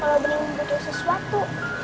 kalau bening butuh sesuatu